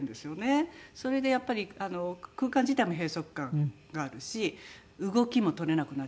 それでやっぱり空間自体も閉塞感があるし動きも取れなくなっちゃうので。